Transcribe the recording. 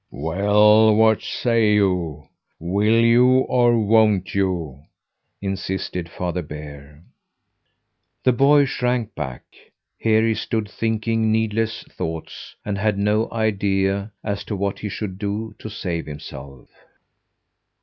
"Well, what say you? Will you or won't you?" insisted Father Bear. The boy shrank back. Here he stood thinking needless thoughts, and had no idea as to what he should do to save himself.